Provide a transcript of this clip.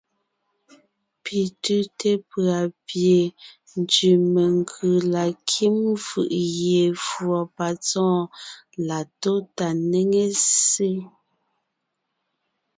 Pi tʉ́te pʉ̀a pie ntsẅì menkʉ̀ la kím fʉʼ gie fùɔ patsɔ́ɔn la tó tà néŋe ssé.